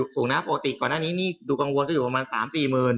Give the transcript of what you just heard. สูงนะปกติก่อนหน้านี้นี่ดูกังวลก็อยู่ประมาณ๓๔หมื่น